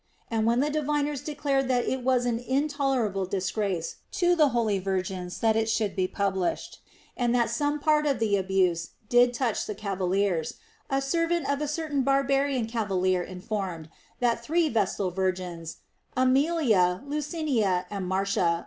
And when the diviners declared that it was an intolerable disgrace to the holy virgins that it should be published, and that some part of the abuse did touch the cavaliers, a THE ROMAN QUESTIONS. 249 servant of a certain barbarian cavalier informed, that three vestal virgins, Aemilia, Licinia, and Martia.